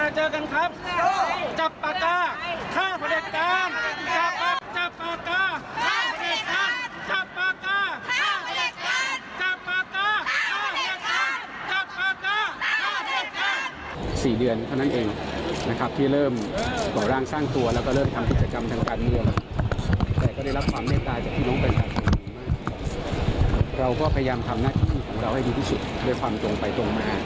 จับปากกาฆ่าผลิตกรรม